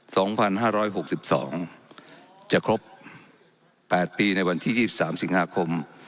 สองพันห้าร้อยหกสิบสองจะครบแปดปีในวันที่ยี่สิบสามสิงหาคม